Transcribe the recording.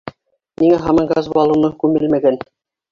Ниңә һаман газ баллоны күмелмәгән?